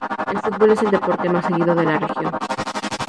El fútbol es el deporte más seguido de la región.